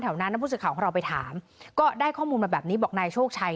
นั้นผู้สื่อข่าวของเราไปถามก็ได้ข้อมูลมาแบบนี้บอกนายโชคชัย